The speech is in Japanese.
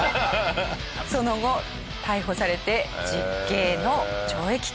その後逮捕されて実刑の懲役刑を受けました。